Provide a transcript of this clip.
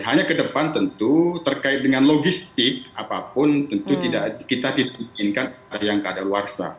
hanya ke depan tentu terkait dengan logistik apapun tentu kita tidak menginginkan yang keadaan luar sah